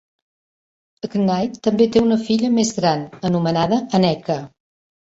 Knight també té una filla més gran, anomenada Aneka.